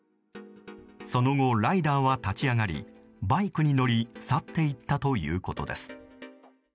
その後、ライダーは立ち上がりバイクに乗り去っていったということです。